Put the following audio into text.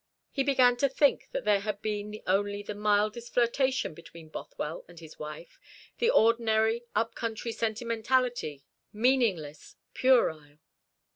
He began to think that there had been only the mildest flirtation between Bothwell and his wife the ordinary up country sentimentality, meaningless, puerile.